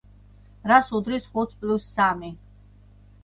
რას უდრის ხუთს პლუს სამი?